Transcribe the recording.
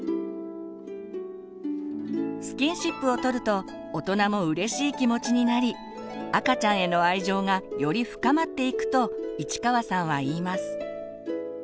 スキンシップを取ると大人もうれしい気持ちになり赤ちゃんへの愛情がより深まっていくと市川さんは言います。